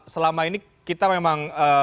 selama ini kita memang